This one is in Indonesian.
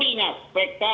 jadi kita harus mengingat